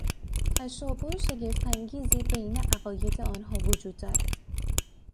تشابه شگفتانگیزی بین عقاید آنها وجود دارد.